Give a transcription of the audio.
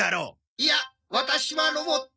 いやワタシはロボット。